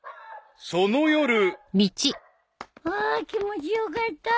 あ気持ち良かった。